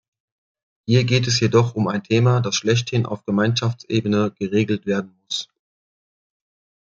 Hier geht es jedoch um ein Thema, das schlechthin auf Gemeinschaftsebene geregelt werden muss.